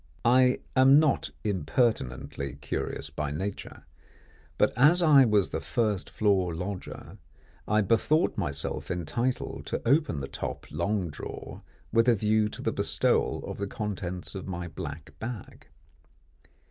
I am not impertinently curious by nature, but as I was the first floor lodger, bethought myself entitled to open the top long drawer with a view to the bestowal of the contents of my black bag.